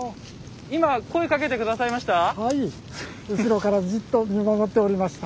今声かけて下さいました？